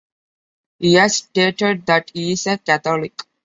He has stated that he is a Catholic.